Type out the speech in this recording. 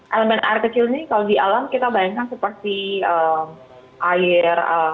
elemen air kecil ini kalau di alam kita bayangkan seperti air